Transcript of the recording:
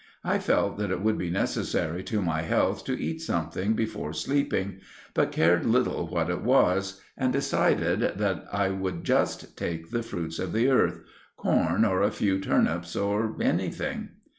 I felt that it would be necessary to my health to eat something before sleeping, but cared little what it was, and decided that I would just take the fruits of the earth—corn or a few turnips, or anything.